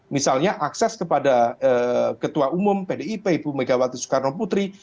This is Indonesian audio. misalnya akses kepada ketua umum pdip ibu megawati soekarno putri